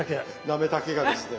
なめたけがですね